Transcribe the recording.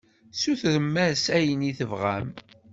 Sutrem-as ayen i tebɣam.